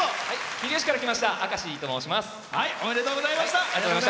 桐生市から来ましたあかしと申します。